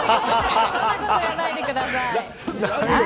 そんなこと言わないでください。